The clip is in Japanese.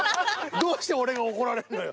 どうして俺が怒られるのよ。